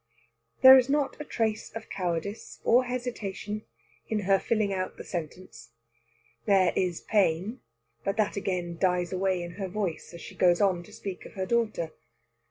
There is not a trace of cowardice or hesitation in her filling out the sentence. There is pain, but that again dies away in her voice as she goes on to speak of her daughter.